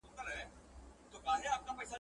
شپې که هر څومره اوږدې وي عاقبت به لمر ځلیږي !.